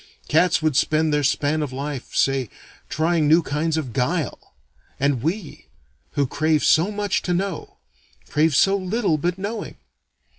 Cats would spend their span of life, say, trying new kinds of guile. And we, who crave so much to know, crave so little but knowing.